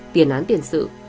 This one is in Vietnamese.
tiền án tiền sự